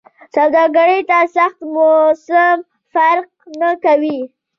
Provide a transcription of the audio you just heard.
سوالګر ته سخت موسم فرق نه کوي